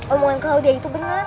omongan claudia itu bener